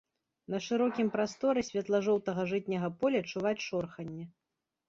На шырокім прасторы светла-жоўтага жытняга поля чуваць шорханне.